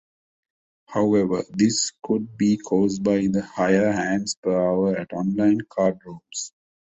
However, this could be caused by the higher hands per hour at on-line cardrooms.